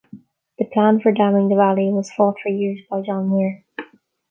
The plan for damming the valley was fought for years by John Muir.